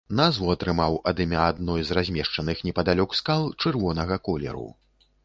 Назву атрымаў ад імя адной з размешчаных непадалёк скал чырвонага колеру.